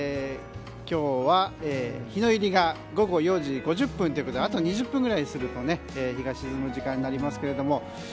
今日は日の入りが午後４時５０分ということであと２０分くらいすると日が沈む時間になりますけれども。